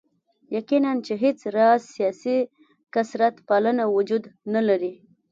یقیناً چې هېڅ راز سیاسي کثرت پالنه وجود نه لري.